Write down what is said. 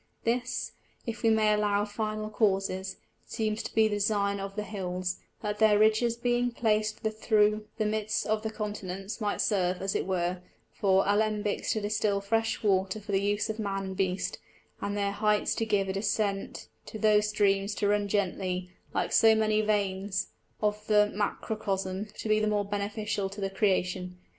This, if we may allow final Causes, seems to be the design of the Hills, that their Ridges being plac'd thro' the midst of the Continents, might serve, as it were, for Alembicks to distil fresh Water for the use of Man and Beast, and their heights to give a descent to those Streams to run gently, like so many Veins, of the Macrocosm to be the more beneficial to the Creation.